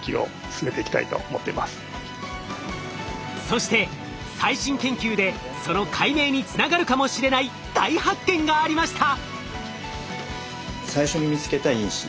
そして最新研究でその解明につながるかもしれない大発見がありました！